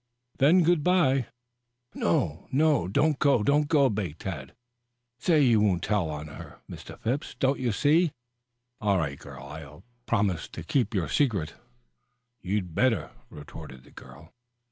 "Then good bye." "No, no, don't go! Don't go!" begged Tad. "Say you won't tell on her, Mr. Phipps. Don't you see " "All right, girl, I'll promise to keep your secret." "You'd better," retorted the girl.